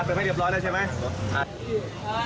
เติมเติมเรียบร้อยแล้วก็บอกป้าเติมให้เรียบร้อยแล้วใช่ไหม